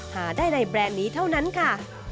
หาได้ในแบรนด์นี้เท่านั้นค่ะ